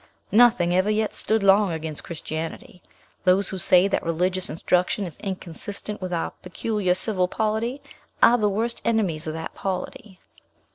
Nothing ever yet stood long against Christianity. Those who say that religious instruction is inconsistent with our peculiar civil polity, are the worst enemies of that polity.